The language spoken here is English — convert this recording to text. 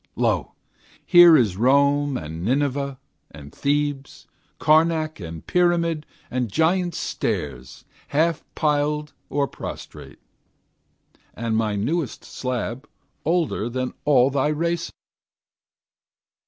Lo! here is Rome and Nineveh and Thebes, Karnak and Pyramid and Giant's Stairs Half piled or prostrate; and my newest slab Older than all thy race.